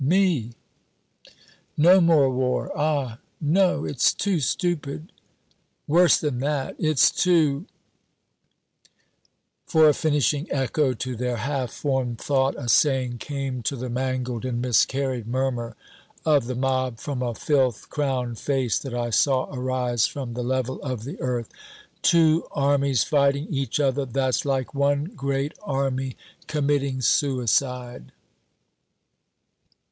"Me!" "No more war ah, no! it's too stupid worse than that, it's too " For a finishing echo to their half formed thought a saying came to the mangled and miscarried murmur of the mob from a filth crowned face that I saw arise from the level of the earth "Two armies fighting each other that's like one great army committing suicide!"